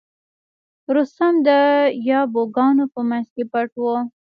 رستم د یابو ګانو په منځ کې پټ و.